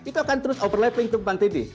itu akan terus overlapping ke depan tv